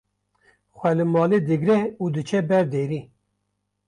xwe li malê digire û diçe ber derî